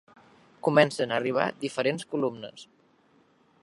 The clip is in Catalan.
Comencen a arribar diferents columnes.